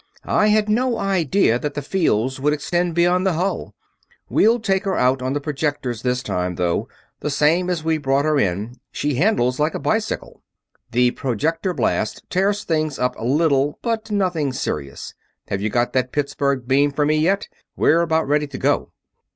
"I had no idea that the fields would extend beyond the hull. We'll take her out on the projectors this time, though, the same as we brought her in she handles like a bicycle. The projector blast tears things up a little, but nothing serious. Have you got that Pittsburgh beam for me yet? We're about ready to go."